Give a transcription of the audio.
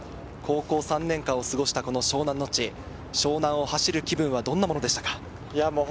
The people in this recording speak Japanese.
高校３年間を過ごした湘南の地、湘南を走る気分はどんなものでしたか？